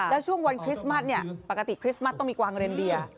แล้วช่วงวันคริสต์มัสเนี่ยปกติคริสต์มัสต้องมีกวางเรนเดีย